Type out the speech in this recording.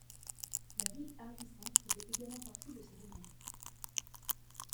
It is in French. La ville Argistan faisait également partie de ses domaines.